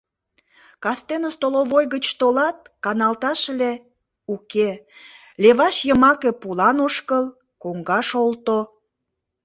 Кастене столовой гыч толат, каналташ ыле — уке, леваш йымаке пулан ошкыл, коҥгаш олто.